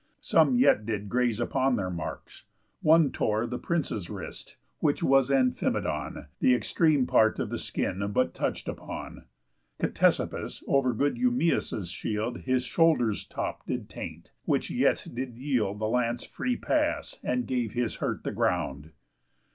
Some yet did graze upon their marks. One tore The prince's wrist, which was Amphimedon, Th' extreme part of the skin but touch'd upon. Ctesippus over good Eumeeus' shield His shoulder's top did taint; which yet did yield The lance free pass, and gave his hurt the ground.